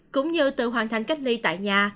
cũng như tự hoàn thành cách ly tại nhà